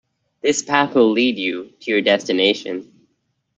This path will lead you to your destination.